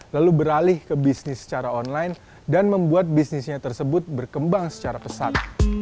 lalu beralih ke bisnis secara online dan membuat bisnisnya tersebut berkembang secara pesat